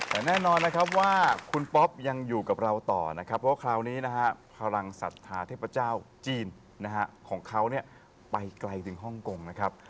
แต่แน่นอนนะครับว่าคุณป๊อปยังอยู่กับเราต่อนะครับเพราะคราวนี้นะฮะพลังศรัทธาเทพเจ้าจีนนะฮะของเขาเนี่ยไปไกลถึงฮ่องกงนะครับ